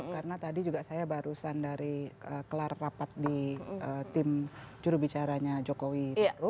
karena tadi juga saya barusan dari kelar rapat di tim jurubicaranya jokowi